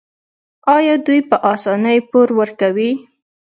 آیا دوی په اسانۍ پور ورکوي؟